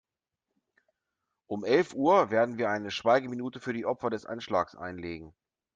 Um elf Uhr werden wir eine Schweigeminute für die Opfer des Anschlags einlegen.